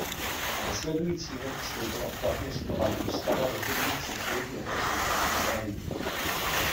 Následující rok vstoupila v platnost nová ústava definující Krym jako součást Ukrajiny.